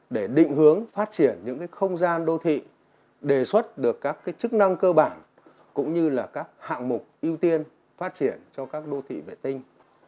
để định hướng phát triển những không gian đô thị đề xuất được các chức năng cơ bản cũng như là các hạng mục ưu tiên phát triển cho các đô thị vệ tinh